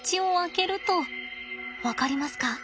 分かりますか？